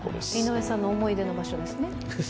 井上さんの思い出の場所ですね。